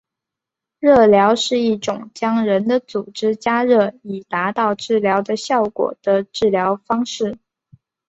热疗是一种将人的组织加热以达到治疗的效果的治疗方式。